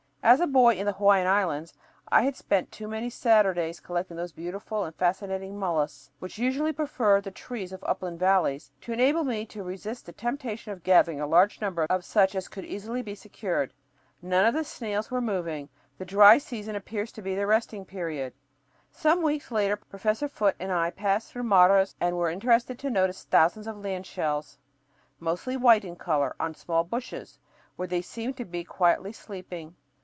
As a boy in the Hawaiian Islands I had spent too many Saturdays collecting those beautiful and fascinating mollusks, which usually prefer the trees of upland valleys, to enable me to resist the temptation of gathering a large number of such as could easily be secured. None of the snails were moving. The dry season appears to be their resting period. Some weeks later Professor Foote and I passed through Maras and were interested to notice thousands of land shells, mostly white in color, on small bushes, where they seemed to be quietly sleeping.